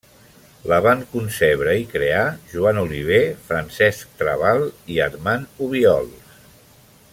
La van concebre i crear Joan Oliver, Francesc Trabal i Armand Obiols.